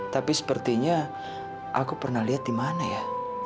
tapi sepertinya aku pernah lihat dimana ya